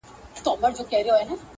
چيري که خوړلی د غلیم پر کور نمګ وي یار,